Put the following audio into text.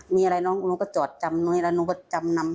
มีอะไรหนูก็จอดจำหนูก็จำนำ